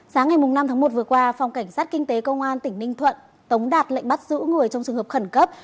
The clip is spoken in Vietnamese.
sáng ngày năm tháng một vừa qua phòng cảnh sát kinh tế công an tỉnh ninh thuận tống đạt lệnh bắt giữ người trong trường hợp khẩn cấp